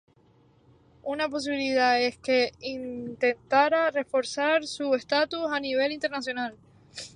Una posibilidad es que intentara reforzar su estatus a nivel internacional.